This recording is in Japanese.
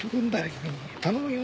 君頼むよ。